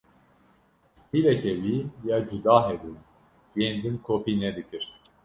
Stîleke wî ya cuda hebû, yên din kopî nedikir.